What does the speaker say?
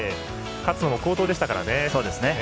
勝野も好投でしたからね。